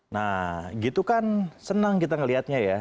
nah gitu kan senang kita melihatnya ya